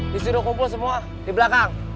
disuruh kumpul semua di belakang